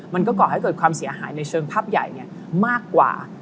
ก่อให้เกิดความเสียหายในเชิงภาพใหญ่มากกว่า